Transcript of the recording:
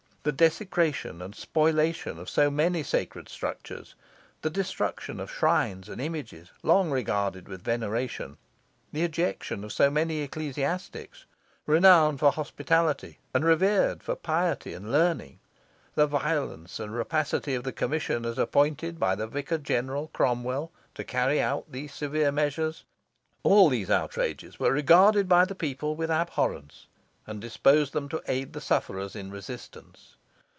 The desecration and spoliation of so many sacred structures the destruction of shrines and images long regarded with veneration the ejection of so many ecclesiastics, renowned for hospitality and revered for piety and learning the violence and rapacity of the commissioners appointed by the Vicar General Cromwell to carry out these severe measures all these outrages were regarded by the people with abhorrence, and disposed them to aid the sufferers in resistance.